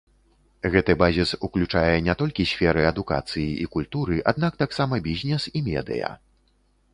Гэты базіс уключае не толькі сферы адукацыі і культуры, аднак таксама бізнес і медыя.